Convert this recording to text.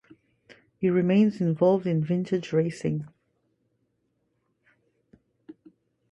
It remains involved in vintage racing.